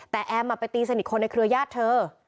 แต่แอมไปตีสนิทคนในเครือญาติเธอ